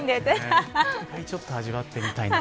ちょっと味わってみたいな。